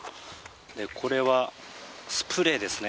これはスプレーですね。